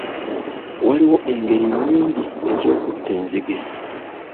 Waliwo engeri nnyingi ez'okutta enzige.